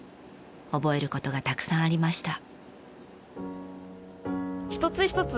覚える事がたくさんありました。